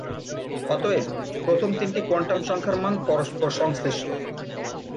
অতএব, প্রথম তিনটি কোয়ান্টাম সংখ্যার মান পরস্পর সংশ্লিষ্ট।